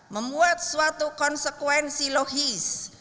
membuat suatu konsekuensi logis